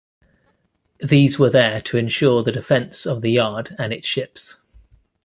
These were there to ensure the defence of the yard and its ships.